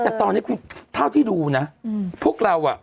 แต่ตอนนี้คุณเท่าที่ดูนะพวกเราอ่ะ